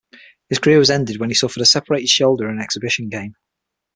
His career was ended when he suffered a separated shoulder in an exhibition game.